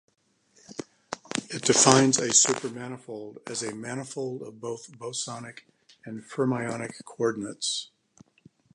It defines a supermanifold as a manifold with both bosonic and fermionic coordinates.